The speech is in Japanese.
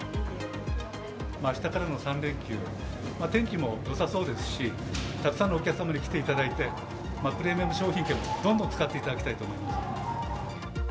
あしたからの３連休、天気もよさそうですし、たくさんのお客様に来ていただいて、プレミアム商品券もどんどん使っていただきたいと思います。